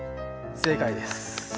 正解です。